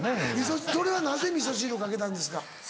それはなぜみそ汁をかけたんですか？